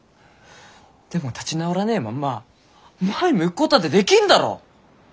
でも立ち直らねえまんま前向くごどだってできんだろ。